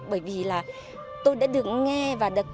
bởi vì là tôi đã được nghe và được